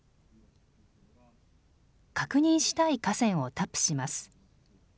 確認したい河川をタップします。